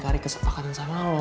lari kesepakatan sama lo